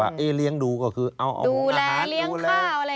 ว่าเอ๊ะเลี้ยงดูก็คือเอาดูแลเลี้ยงข้าวอะไรอย่างงี้นะ